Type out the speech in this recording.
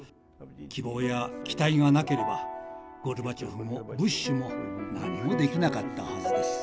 希望や期待がなければゴルバチョフもブッシュも何もできなかったはずです。